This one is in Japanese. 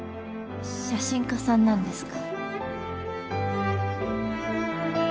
写真家さんなんですか？